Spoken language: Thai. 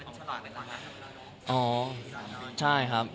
คุณสน่าจะรักน้อย